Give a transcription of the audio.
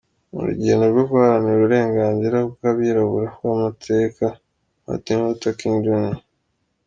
Mu rugendo rwo guharanira uburenganzira bw’abirabura rw’amateka, Martin Luther King Jr.